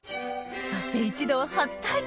そして一同初体験！